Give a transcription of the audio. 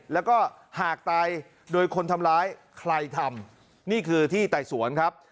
แล้วก็หากตายโดยคนทำร้ายใครทำนี่คือที่ไต่สวนครับ